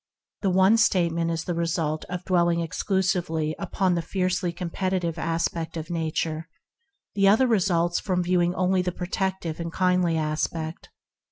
The one statement is the result of dwelling exclusively upon the fiercely competitive aspeot of Nature; the other results from viewing only the pro tective and kindly aspect.